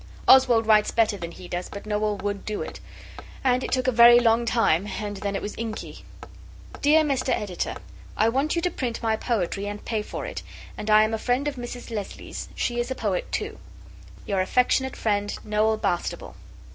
Oswald writes better than he does; but Noel would do it; and it took a very long time, and then it was inky. DEAR MR EDITOR, I want you to print my poetry and pay for it, and I am a friend of Mrs Leslie's; she is a poet too. Your affectionate friend, NOEL BASTABLE.